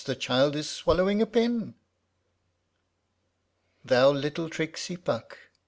the child is swallowing a pin !) Thou little tricksy Puck !